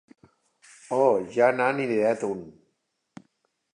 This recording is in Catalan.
O ja n'han ideat un.